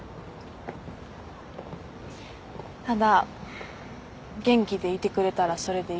ただ元気でいてくれたらそれでいいっていうか。